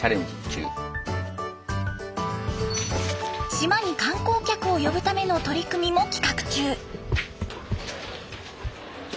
島に観光客を呼ぶための取り組みも企画中。